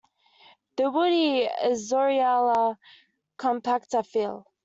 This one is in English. The woody "Azorella compacta" Phil.